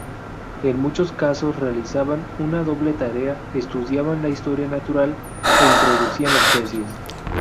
En muchos casos realizaban una doble tarea: estudiaban la historia natural e introducían especies.